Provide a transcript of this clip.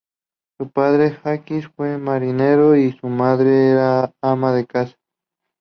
Su padre, Jacques, fue marinero, y su madre era ama de casa.